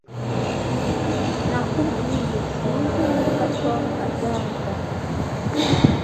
Nakubwiye sinzi niba Tom azavuga ukuri